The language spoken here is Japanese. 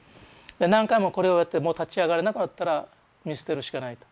何回もこれをやってもう立ち上がれなくなったら見捨てるしかないと。